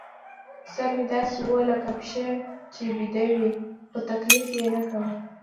سر مې داسې و لکه پښه چې بېده وي، خو تکلیف یې نه کاوه.